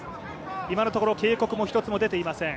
今のところ警告も一つも出ていません。